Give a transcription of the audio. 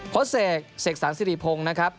เสกเสกสรรสิริพงศ์นะครับ